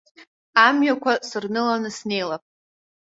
Амҩақәа сырныланы снеилап.